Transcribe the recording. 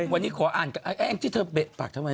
วันนี้ขออ่านกับไอ้แอ้งที่เธอเบะปากทำไม